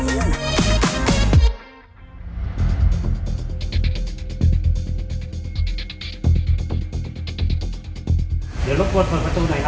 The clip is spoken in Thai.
อ่ะเดี๋ยวเลียนรถบนเปิดประตูหน่อยนะ